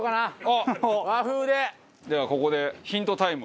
ではここでヒントタイム。